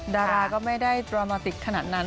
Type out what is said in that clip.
ดาราก็ไม่ได้ดรามาติกขนาดนั้น